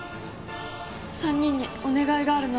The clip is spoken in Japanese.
３人にお願いがあるの。